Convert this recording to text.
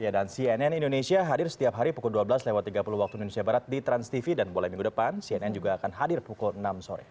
ya dan cnn indonesia hadir setiap hari pukul dua belas tiga puluh waktu indonesia barat di transtv dan mulai minggu depan cnn juga akan hadir pukul enam sore